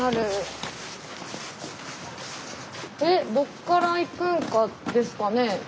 どっから行くんですかね。